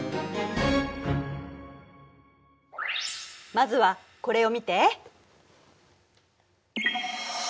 まずはこれを見て。